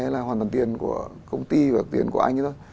là hoàn toàn tiền của công ty và tiền của anh